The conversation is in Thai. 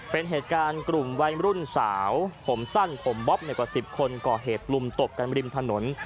เป็นเหตุการณ์กลุ่มวัยรุ่นสาวผมสั้นผมบ๊อบกว่า๑๐คนก่อเหตุลุมตบกันริมถนน